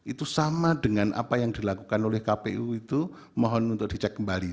itu sama dengan apa yang dilakukan oleh kpu itu mohon untuk dicek kembali